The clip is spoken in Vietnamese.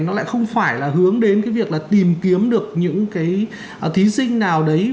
nó lại không phải là hướng đến cái việc là tìm kiếm được những cái thí sinh nào đấy